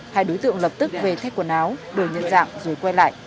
hai đối tượng lập tức về thách quần áo đổi nhân dạng rồi quay lại